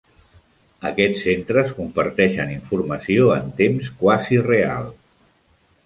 Aquests centres comparteixen informació en temps quasi real.